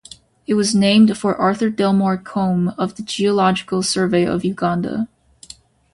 It was named for Arthur Delmar Combe of the Geological Survey of Uganda.